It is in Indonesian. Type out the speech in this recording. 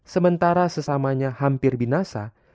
sementara sesamanya hampir binasa